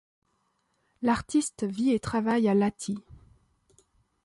L'artiste vit et travaille à Lahti.